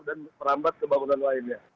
dan merambat kebangunan lainnya